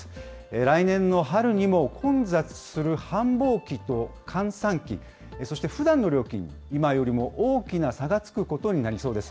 来年の春にも混雑する繁忙期と閑散期、そしてふだんの料金、今よりも大きな差がつくことになりそうです。